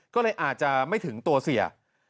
ก็เลยอาจจะไม่ถึงตัวเสีย